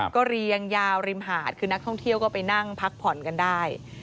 ก็เรียงยาวริมหาดคือนักท่องเที่ยวก็ไปนั่งพักผ่อนกันได้